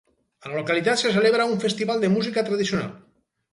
A la localitat se celebra un festival de música tradicional.